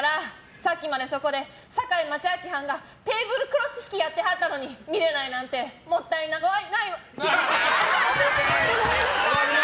さっきまでそこで堺マチャアキはんがテーブルクロス引きやってはったのに見れないなんてもったいない。